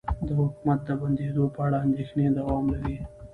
د حکومت د بندیدو په اړه اندیښنې دوام لري